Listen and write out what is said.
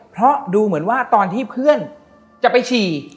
เพราะดูเหมือนว่าตอนที่เพื่อนจะไปฉี่